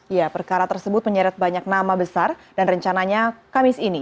ya perkara tersebut menyeret banyak nama besar dan rencananya kamis ini